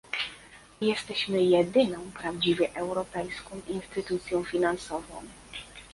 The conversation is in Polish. jesteśmy jedyną prawdziwie europejską instytucją finansową